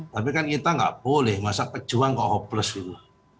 tapi kan kita nggak boleh masa pejuang kok hopeles gitu